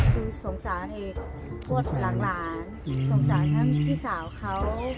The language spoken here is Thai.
คือสงสารให้พวกหลังหลานสงสารให้พี่สาวเขา